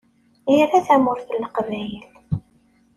Ira Tamurt n Leqbayel.